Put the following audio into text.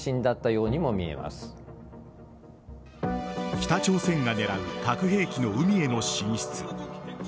北朝鮮が狙う核兵器の海への進出。